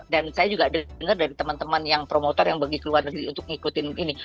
dan saya juga dengar dari teman teman yang promotor yang bagi keluarga untuk ngikutin ini